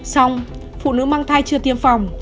xong phụ nữ mang thai chưa tiêm phòng